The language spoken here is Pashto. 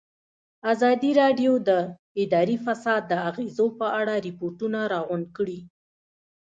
ازادي راډیو د اداري فساد د اغېزو په اړه ریپوټونه راغونډ کړي.